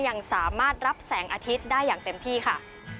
ยังสามารถรับแสงอาทิตย์ได้อย่างเต็มที่ค่ะ